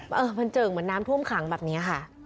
เออมันเจิ่งเหมือนน้ำท่วมขังแบบนี้ค่ะ